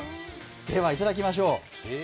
ではいただきましょう。